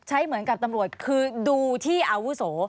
เหมือนกับตำรวจคือดูที่อาวุโส